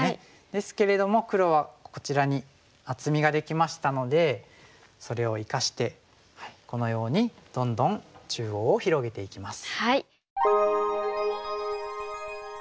ですけれども黒はこちらに厚みができましたのでそれを生かしてこのようにどんどん中央を広げていきます。